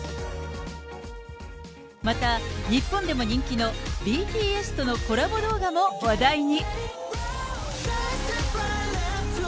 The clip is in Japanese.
また、日本でも人気のＢＴＳとのコラボ動画も話題に。